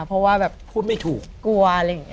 เพราะว่าแบบกลัวอะไรอย่างนี้พูดไม่ถูก